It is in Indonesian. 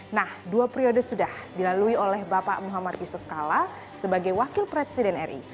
nah dua periode sudah dilalui oleh bapak muhammad yusuf kala sebagai wakil presiden ri